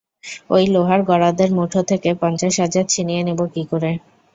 ঐ লোহার গরাদের মুঠো থেকে পঞ্চাশ হাজার ছিনিয়ে নেব কী করে?